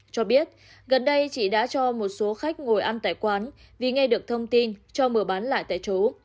cho biết gần đây chị đã cho một số khách ngồi ăn tại quán vì nghe được thông tin cho mở bán lại tại chỗ